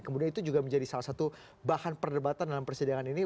kemudian itu juga menjadi salah satu bahan perdebatan dalam persidangan ini